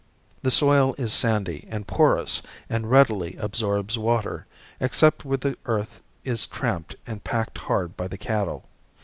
The soil is sandy and porous and readily absorbs water, except where the earth is tramped and packed hard by the cattle.